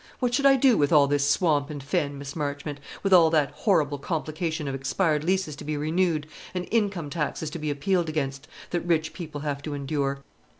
What should I do with all this swamp and fen, Miss Marchmont with all that horrible complication of expired leases to be renewed, and income taxes to be appealed against, that rich people have to endure?